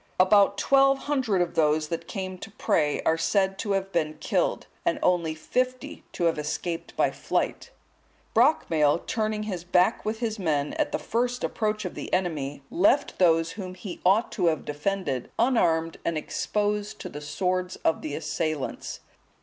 About twelve hundred of those that came to pray are said to have been killed, and only fifty to have escaped by flight. Brocmail, turning his back with his men, at the first approach of the enemy, left those whom he ought to have defended unarmed and exposed to the swords of the assailants.